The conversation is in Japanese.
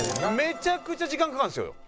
めちゃくちゃ時間かかんすよ。